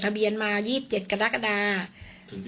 ทรัพย์สินที่เป็นของฝ่ายหญิง